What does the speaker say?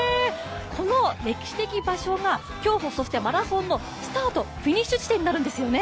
この歴史的場所が今日放送するマラソンのスタート・フィニッシュ地点になるんですよね。